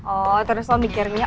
oh terus lo mikirin ya